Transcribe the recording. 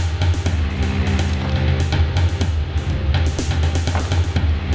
ikut foto ibu saya satu satunya